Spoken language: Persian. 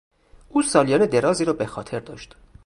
او سالیان درازی را به خاطر داشت.